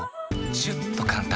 シュッと簡単！